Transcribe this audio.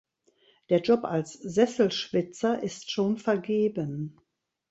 Der Job als Sesselschwitzer ist schon vergeben.